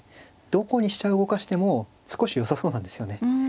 どこに飛車を動かしても少しよさそうなんですよね。